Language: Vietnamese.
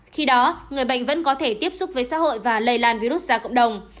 khi đó người bệnh vẫn có thể tiếp xúc với xã hội và lây lan virus ra cộng đồng